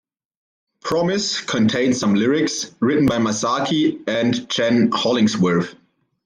"Promise" contained some lyrics, written by Masaki and Jen Hollingsworth.